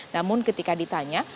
namun ketika ditanya